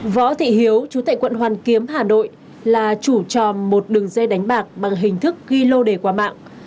võ thị hiếu chú tại quận hoàn kiếm hà nội là chủ tròm một đường dây đánh bạc bằng hình thức ghi lô đề qua mạng